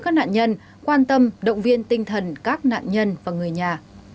các nạn nhân quan tâm động viên tinh thần các nạn nhân và người nhà